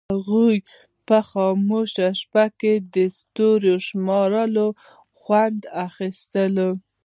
هغوی په خاموشه شپه کې د ستورو شمارلو خوند واخیست.